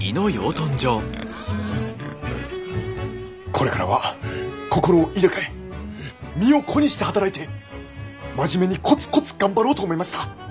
これからは心を入れ替え身を粉にして働いて真面目にコツコツ頑張ろうと思いました。